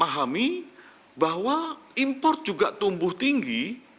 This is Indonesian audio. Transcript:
dan kita memahami bahwa import juga tumbuh tinggi